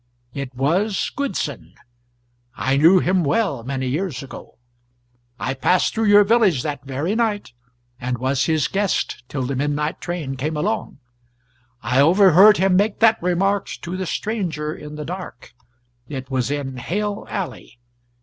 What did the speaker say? It was GOODSON. I knew him well, many years ago. I passed through your village that very night, and was his guest till the midnight train came along. I overheard him make that remark to the stranger in the dark it was in Hale Alley.